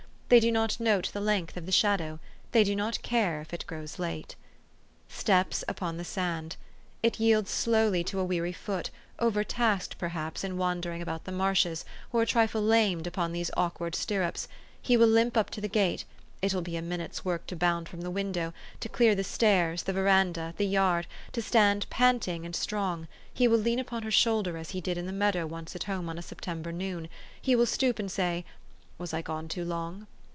They do not note the length of the shadow. They do not care if it grows late. Steps upon the sand. It yields slowly to a weary foot, overtasked perhaps, in wandering about the marshes, or a trifle lamed upon these awkward stir rups ; he will limp up to the gate ; it will be a min ute's work to bound from the window, to clear the stairs, the veranda, the yard, to stand panting and strong ; he will lean upon her shoulder as he did in the meadow once at home on a September noon ; he will stoop and say, " Was I gone too long?